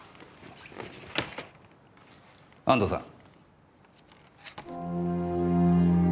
安藤さん。